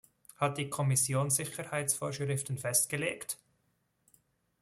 Hat die Kommission Sicherheitsvorschriften festgelegt?